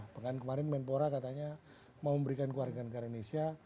bahkan kemarin menpora katanya mau memberikan keluarga negara indonesia